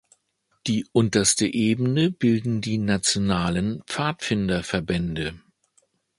Die unterste Ebene bilden die nationalen Pfadfinderverbände.